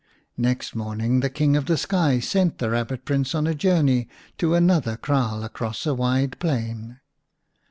Next morning the King of the Sky sent the Eabbit Prince on a journey to another kraal across a wide plain.